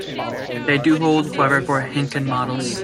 They do hold however for Henkin models.